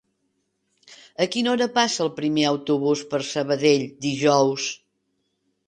A quina hora passa el primer autobús per Sabadell dijous?